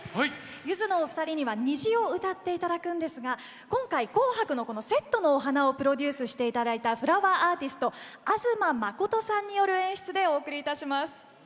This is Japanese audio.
ゆずのお二人には「虹」を歌っていただくんですが今回の紅白のセットのお花をプロデュースしていただいたフラワーアーティスト東信さんによるステージ演出でお送りします。